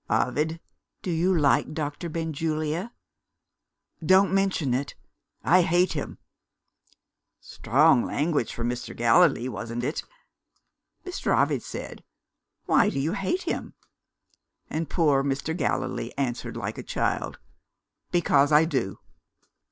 'Ovid, do you like Doctor Benjulia? Don't mention it; I hate him.' Strong language for Mr. Gallilee, wasn't it? Mr. Ovid said, 'Why do you hate him?' And poor Mr. Gallilee answered like a child, 'Because I do.